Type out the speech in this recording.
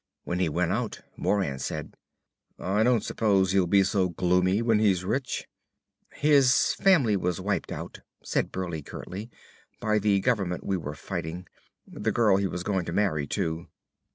When he went out, Moran said; "I don't suppose he'll be so gloomy when he's rich!" "His family was wiped out," said Burleigh curtly, "by the government we were fighting. The girl he was going to marry, too."